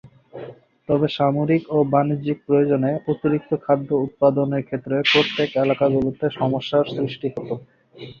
তবে সামরিক ও বাণিজ্যিক প্রয়োজনে অতিরিক্ত খাদ্য উৎপাদনের ক্ষেত্রে প্রত্যন্ত এলাকাগুলোতে সমস্যার সৃষ্টি হত।